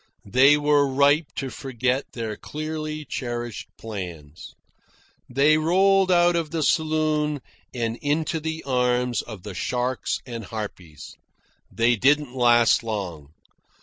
They were ripe to forget their dearly cherished plans. They rolled out of the saloon and into the arms of the sharks and harpies. They didn't last long.